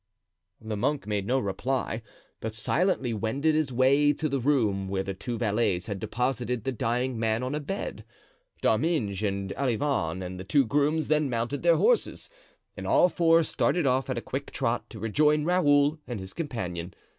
The monk made no reply, but silently wended his way to the room where the two valets had deposited the dying man on a bed. D'Arminges and Olivain and the two grooms then mounted their horses, and all four started off at a quick trot to rejoin Raoul and his companion.